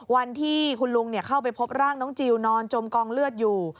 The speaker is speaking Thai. วันที่คุณลุงเข้าไปพบร่างน้องจิลนอนจมกองเลือดอยู่